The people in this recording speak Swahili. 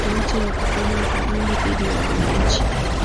licha ya kufanya udhalimu dhiti ya wananchi